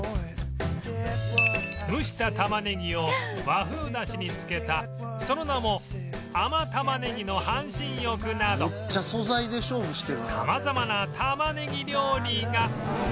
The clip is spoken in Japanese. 蒸したたまねぎを和風だしに漬けたその名も甘玉ねぎの半身浴など様々なたまねぎ料理が